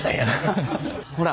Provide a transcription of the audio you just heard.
ほら。